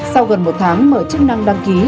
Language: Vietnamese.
sau gần một tháng mở chức năng đăng ký